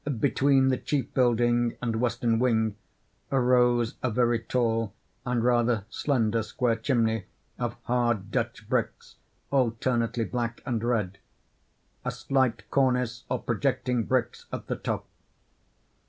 Between the chief building and western wing arose a very tall and rather slender square chimney of hard Dutch bricks, alternately black and red:—a slight cornice of projecting bricks at the top.